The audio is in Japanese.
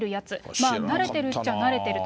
まあ慣れてるっちゃ慣れてると。